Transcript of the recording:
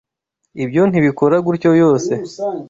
Ibyo ntibikora gutyo yose?